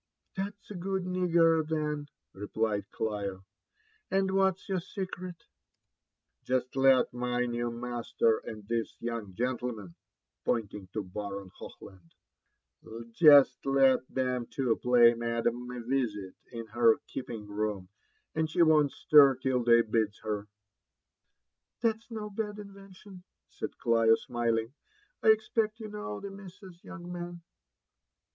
*' That's a good nigger, then," replied Clio ;and what's your seci^f' JONATHAN JEFFERSON WHITLAW. 3S1 " Jest ]et my new master and this yoang gentleoian" (pointing to Baron Hochland) — "jest let them two pay madam a tisit in her keep ing room, and she won't stir till they bids her." ''That's no bad invention/' said CHo, smiling. ''I expect you know the Missas, young man."